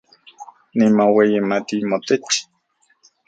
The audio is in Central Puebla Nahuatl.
Nimoueyimati motech